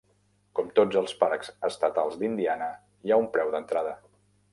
Com tots els parcs estatals d'Indiana, hi ha un preu d'entrada.